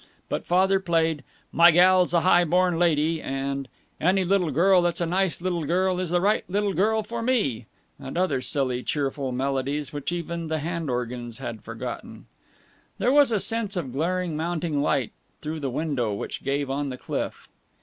But Father played "My Gal's a High born Lady" and "Any Little Girl That's a Nice Little Girl Is the Right Little Girl for Me," and other silly, cheerful melodies which even the hand organs had forgotten. There was a sense of glaring mounting light through the window which gave on the cliff.